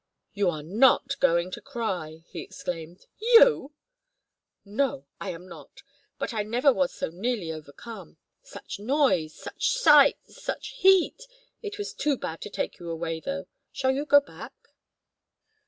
"You are not going to cry!" he exclaimed. "You!" "No, I am not! But I never was so nearly overcome. Such noise! Such sights! Such heat! It was too bad to take you away, though. Shall you go back?"